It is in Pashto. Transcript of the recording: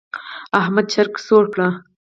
احمد چرګ سور کړ.